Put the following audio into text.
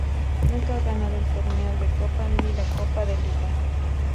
Nunca ha ganado el torneo de Copa ni la Copa de Liga.